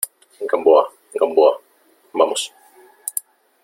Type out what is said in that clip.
Gamboa , Gamboa , vamos .